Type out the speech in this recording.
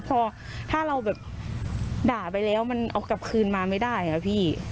พอถ้าเราแบบด่าไปแล้วมันเอากลับคืนมาไม่ได้อะพี่